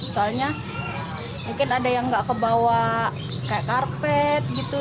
soalnya mungkin ada yang nggak kebawa kayak karpet gitu